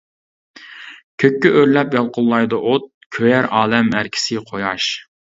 كۆككە ئۆرلەپ يالقۇنلايدۇ ئوت، كۆيەر ئالەم ئەركىسى قۇياش.